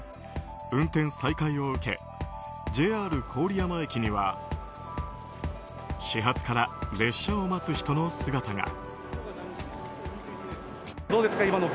運転再開を受け、ＪＲ郡山駅には始発から列車を待つ人の姿が。